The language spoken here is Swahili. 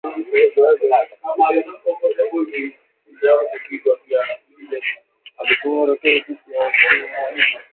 wakitumia roketi dhidi ya waasi hao wa ishirini na tatu